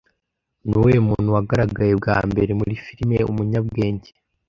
Ni uwuhe muntu wagaragaye bwa mbere muri filime Umunyabwenge